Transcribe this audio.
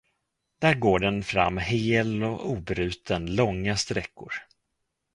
Där går den fram hel och obruten långa sträckor.